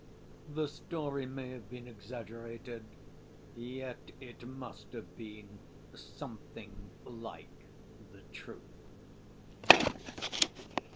The story may have been exaggerated, yet it must have been something like the truth.